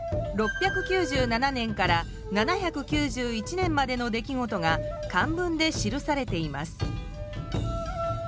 ６９７年から７９１年までの出来事が漢文で記されています。